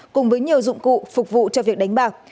cùng với nhiều dụng cụ phục vụ cho việc đánh bạc